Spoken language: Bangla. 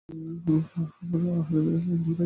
হাছন রাজারা ছিলেন দুই ভাই।